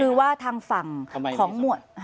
คือว่าทางฝั่งของหมวด